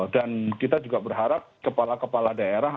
dan kita juga berharap kepala kepala daerah